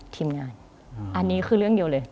ทีมงานอันนี้คือเรื่องเดียวเลย